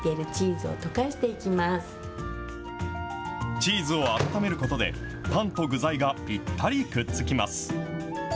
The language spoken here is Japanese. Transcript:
チーズを温めることで、パンと具材がぴったりくっつきます。